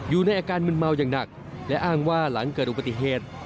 อยู่ในอาการมึนเมาอย่างหนักและอ้างว่าหลังเกิดอุบัติเหตุ